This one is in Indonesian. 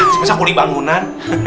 sebesar kulit bangunan